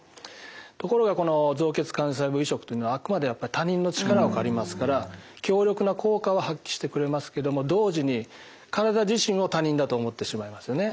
ところがこの造血幹細胞移植というのはあくまで他人の力を借りますから強力な効果は発揮してくれますけども同時に体自身を他人だと思ってしまいますよね。